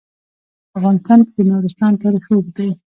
په افغانستان کې د نورستان تاریخ اوږد دی.